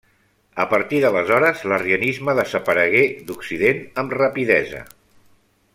A partir d'aleshores, l'arrianisme desaparegué d'occident amb rapidesa.